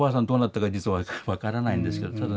どうなったか実は分からないんですけど。